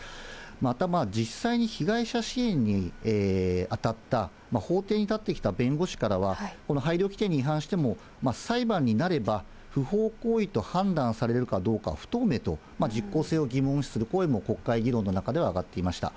また実際に被害者支援に当たった、法廷に立ってきた弁護士からは、この配慮規定に違反しても、裁判になれば、不法行為と判断されるかどうか不透明と、実効性を疑問視する声も、国会議論の中では上がっていました。